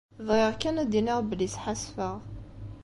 Bɣiɣ kan ad d-iniɣ belli sḥassfeɣ.